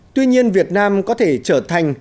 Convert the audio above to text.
tuy nhiên việt nam có thể trở thành